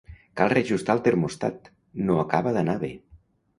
Cal reajustar el termòstat: no acaba d'anar bé.